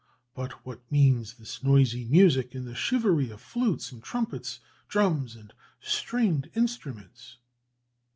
But what means this noisy music, this charivari of flutes and trumpets, drums, and stringed instruments?